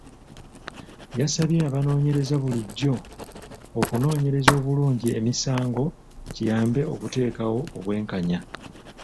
Yasabye abanoonyereza bulijjo okunoonyereza obulungi emisango kiyambe okuteekawo obwenkanya.